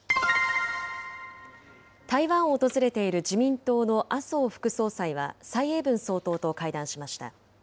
台湾を訪れている自民党の麻生副総裁は、蔡英文総統と会談しました。